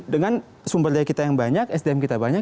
dengan sumber daya kita yang banyak sdm kita banyak